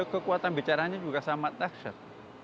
kekuatan bicaranya juga sama taksir